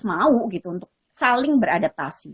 mau gitu untuk saling beradaptasi